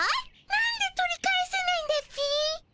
なんで取り返せないんだっピ？